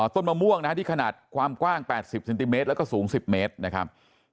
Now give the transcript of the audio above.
ต้นมะม่วงนะฮะที่ขนาดความกว้าง๘๐เซนติเมตรแล้วก็สูง๑๐เมตรนะครับ